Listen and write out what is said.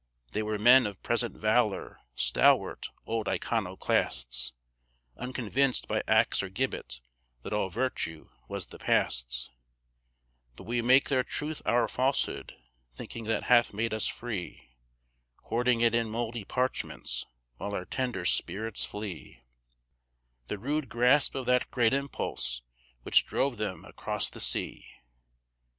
They were men of present valor, stalwart old iconoclasts, Unconvinced by axe or gibbet that all virtue was the Past's; But we make their truth our falsehood, thinking that hath made us free, Hoarding it in mouldy parchments, while our tender spirits flee The rude grasp of that great Impulse which drove them across the sea.